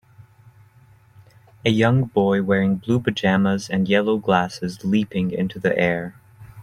A young boy wearing blue pajamas and yellow glasses leaping into the air